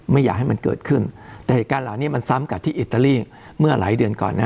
ไม่อยากให้มันเกิดขึ้นแต่เหตุการณ์เหล่านี้มันซ้ำกับที่อิตาลีเมื่อหลายเดือนก่อนนะ